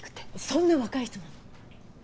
そんな若い人なの？